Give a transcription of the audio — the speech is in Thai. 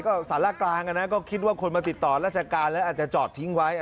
ก็สาระกลางนะก็คิดว่าคนมาติดต่อราชการแล้วอาจจะจอดทิ้งไว้